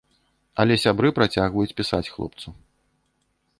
Але сябры працягваюць пісаць хлопцу.